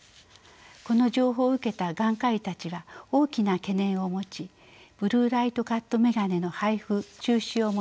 この情報を受けた眼科医たちは大きな懸念を持ちブルーライトカット眼鏡の配布中止を求め